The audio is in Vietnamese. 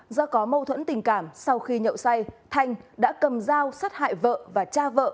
do có mâu thuẫn tình cảm sau khi nhậu say thanh đã cầm dao sát hại vợ và cha vợ